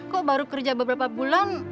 kok baru kerja beberapa bulan